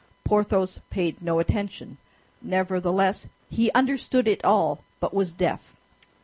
Porthos paid no attention. Nevertheless, he understood it all, but was deaf.